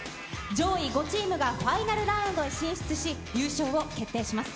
上位５チームがファイナルラウンドへ進出し、優勝を決定します。